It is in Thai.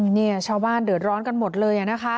เนี่ยชาวบ้านเดือดร้อนกันหมดเลยนะคะ